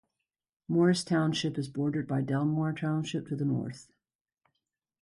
Morris Township is bordered by Delmar Township to the north.